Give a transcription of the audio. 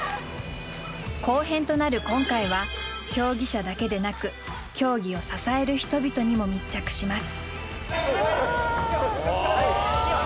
後編となる今回は競技者だけでなく競技を支える人々にも密着します。